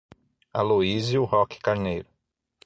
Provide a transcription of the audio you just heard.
Aloizio Roque Carneiro